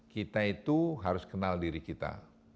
kita itu harus kenal diri kita